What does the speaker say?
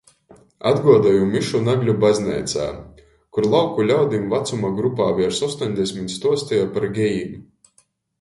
Atguodoju mišu Nagļu bazneicā, kur lauku ļaudim vacuma grupā viers ostoņdesmit stuosteja par gejim.